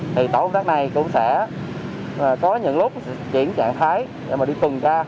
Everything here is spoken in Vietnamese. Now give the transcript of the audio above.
thì tổ quốc tác này cũng sẽ có những lúc diễn trạng thái để mà đi tuần ca